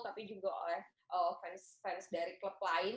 tapi juga oleh fans fans dari klub lain